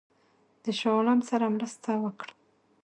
د شاه عالم سره مرسته وکړم.